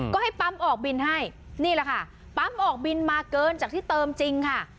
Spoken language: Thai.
ก็ให้ปั๊มออกบินให้นี่แหละค่ะปั๊มออกบินมาเกินจากที่เติมจริงค่ะ